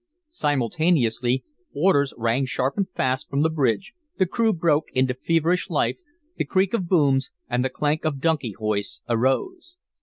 Simultaneously, orders rang sharp and fast from the bridge, the crew broke into feverish life, the creak of booms and the clank of donkey hoists arose.